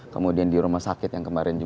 kemudian di rumah sakit yang kemarin juga